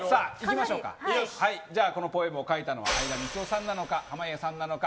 このポエム書いたのは相田みつをさんなのか濱家さんなのか。